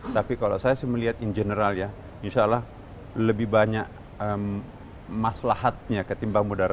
tapi kalau saya sih melihat in general ya insya allah lebih banyak maslahatnya ketimbang mudarat